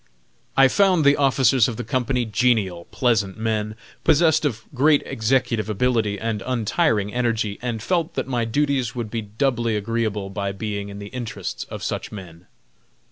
I found the officers of the company genial, pleasant men, possessed of great executive ability and untiring energy, and felt that my duties would be doubly agreeable by being in the interests of such men.